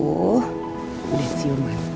udah sium kan